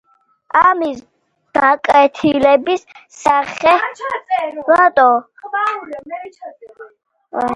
ამას გაკვეთილების სახე არ აქვს, უფრო ჯემსეიშენის სტილი შეიძლება დაერქვას.